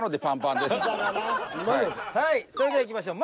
今のでそれではいきましょう。